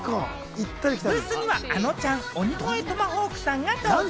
ブースには、あのちゃん、鬼越トマホークさんが登場。